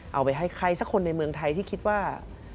เอาไปให้ใครสักคนในเมืองไทยที่คิดว่า